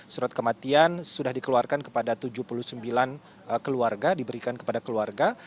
surat kematian sudah dikeluarkan kepada tujuh puluh sembilan keluarga diberikan kepada keluarga